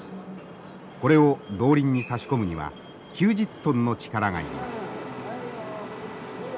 これを動輪に差し込むには９０トンの力がいります。